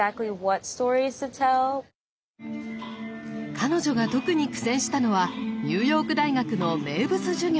彼女が特に苦戦したのはニューヨーク大学の名物授業！